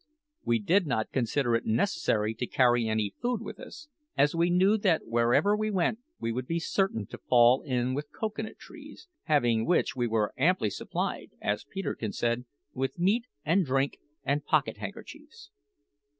We did not consider it necessary to carry any food with us, as we knew that wherever we went we should be certain to fall in with cocoa nut trees having which we were amply supplied, as Peterkin said, with meat and drink and pocket handkerchiefs!